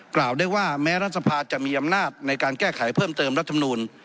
กล่าวได้ว่าแม้รัฐสภาจะมีอำนาจในการแก้ไขเพิ่มเติมรัฐมนูล